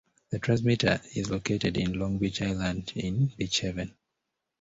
The transmitter is located in Long Beach Island in Beach Haven.